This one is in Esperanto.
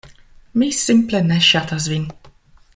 Mi simple ne ŝatas vin.